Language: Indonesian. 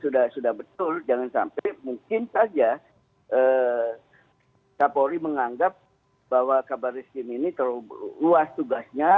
dan sudah betul jangan sampai mungkin saja kapolri menganggap bahwa kabar restri ini terlalu luas tugasnya